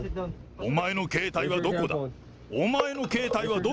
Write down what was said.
お前の携帯はどこだ？